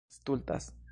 stultas